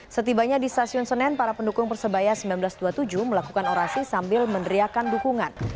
setibanya di stasiun senen para pendukung persebaya seribu sembilan ratus dua puluh tujuh melakukan orasi sambil meneriakan dukungan